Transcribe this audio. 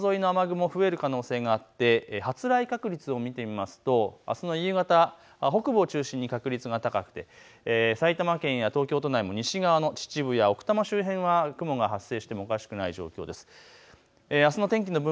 あすはもう少し山沿いの雨雲、増える可能性があって発雷確率を見てみますとあすの夕方、北部を中心に確率が高くて、埼玉県や東京都内も西側の秩父や奥多摩周辺は雲が発生してもおかしくない状況です。